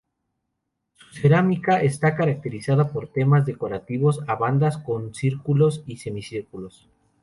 Su cerámica está caracterizada por temas decorativos a bandas con círculos y semicírculos.